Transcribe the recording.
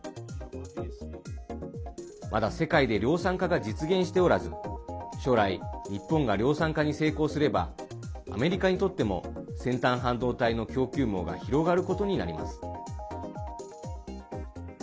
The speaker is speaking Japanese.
まだ世界で量産化が実現しておらず将来、日本が量産化に成功すればアメリカにとっても先端半導体の供給網が広がることになります。